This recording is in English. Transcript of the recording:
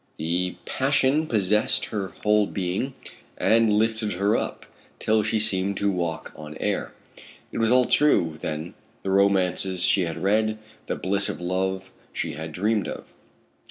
The passion possessed her whole being, and lifted her up, till she seemed to walk on air. It was all true, then, the romances she had read, the bliss of love she had dreamed of.